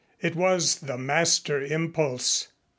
It was the master impulse.